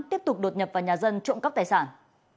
tiếp tục đột nhập vào nhà dân trộm cắp tài sản